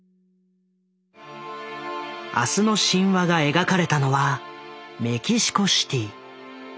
「明日の神話」が描かれたのはメキシコシティ。